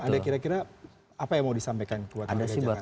ada kira kira apa yang mau disampaikan buat anda jakarta